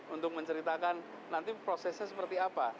untuk menceritakan nanti prosesnya seperti apa